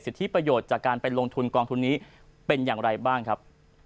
ที่ประโยชน์จากการไปลงทุนกองทุนนี้เป็นอย่างไรบ้างครับ